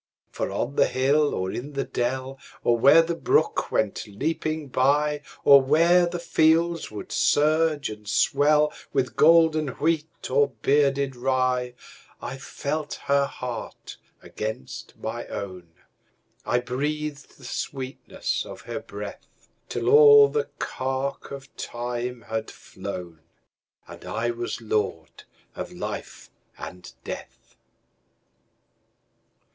For on the hill or in the dell, Or where the brook went leaping byOr where the fields would surge and swellWith golden wheat or bearded rye,I felt her heart against my own,I breathed the sweetness of her breath, Till all the cark of time had flown, And I was lord of life and death.